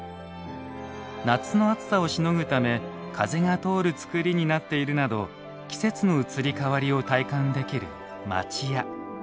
夏の暑さをしのぐため風が通るつくりになっているなど季節の移り変わりを体感できる町家。